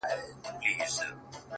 ورځه وريځي نه جــلا ســـولـه نـــن!!